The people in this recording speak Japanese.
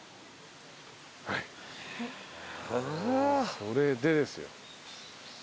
それでですよ。